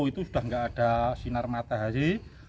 itu sudah tidak ada sinar matahari